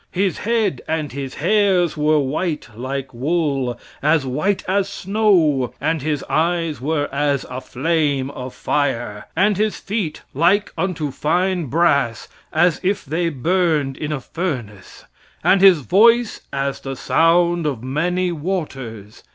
His head and his hairs were white like wool, as white as snow; and his eyes were as a flame of fire; and his feet like unto fine brass as if they burned in a furnace; and his voice as the sound of many waters.